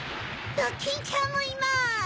ドキンちゃんもいます！